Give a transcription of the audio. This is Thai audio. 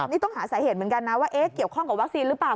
นี่ต้องหาสาเหตุเหมือนกันนะว่าเกี่ยวข้องกับวัคซีนหรือเปล่า